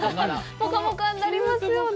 ぽかぽかになりますよね。